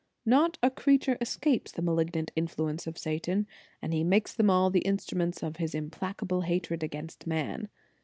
Not a creature escapes the malignant influence of Satan, and he makes them all the instruments of his implacable hatred against man.